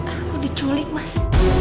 aku diculik mas